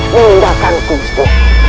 mengindahkan ku musti